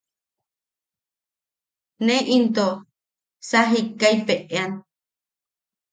Ne into sa jikkaipeʼean.